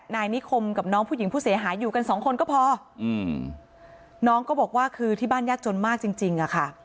นายนิคมกับน้องผู้หญิงผู้เสียหายอยู่กันสองคนก็พออืมน้องก็บอกว่าคือที่บ้านยากจนมากจริงจริงอะค่ะ